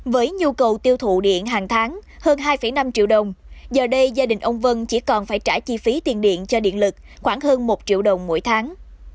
với nhu cầu tiêu thụ điện hàng tháng hơn hai năm triệu đồng giờ đây gia đình ông vân chỉ còn phải trả chi phí tiền điện cho điện lực khoảng hơn một triệu đồng mỗi tháng